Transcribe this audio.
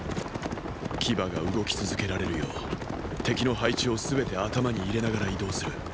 騎馬が動き続けられるよう敵の配置を全て頭に入れながら移動する。